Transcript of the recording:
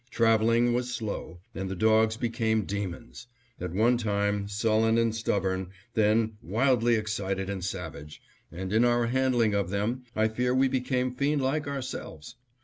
Traveling was slow, and the dogs became demons; at one time, sullen and stubborn; then wildly excited and savage; and in our handling of them I fear we became fiendlike ourselves.